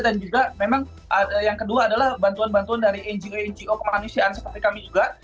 dan juga memang yang kedua adalah bantuan bantuan dari ngo ngo kemanusiaan seperti kami juga